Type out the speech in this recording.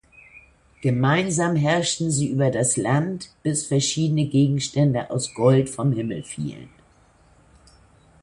Gemeinsam herrschten sie über das Land, bis verschiedene Gegenstände aus Gold vom Himmel fielen.